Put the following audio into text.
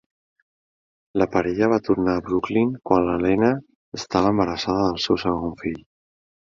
La parella va tornar a Brooklyn quan l'Helène estava embarassada del seu segon fill.